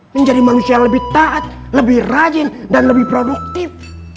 menjadi manusia yang lebih taat lebih rajin dan lebih produktif